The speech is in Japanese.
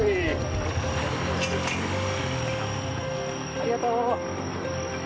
ありがとう。